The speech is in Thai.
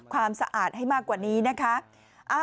ความสะอาดให้มากกว่านี้นะคะ